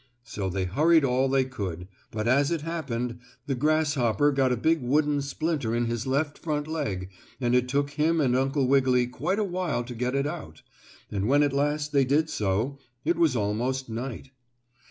So they hurried all they could, but as it happened the grasshopper got a big wooden splinter in his left front leg and it took him and Uncle Wiggily quite a while to get it out, and when at last they did so, it was almost night.